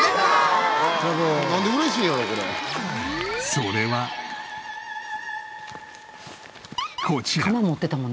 それはこちら。